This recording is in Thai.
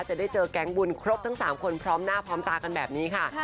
จะได้เจอแก๊งบุญครบทั้ง๓คนพร้อมหน้าพร้อมตากันแบบนี้ค่ะ